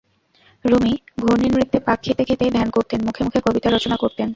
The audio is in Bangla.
রুমি ঘূর্ণিনৃত্যে পাক খেতে খেতেই ধ্যান করতেন, মুখে মুখে কবিতা রচনা করতেন।